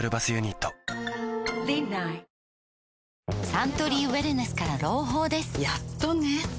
サントリーウエルネスから朗報ですやっとね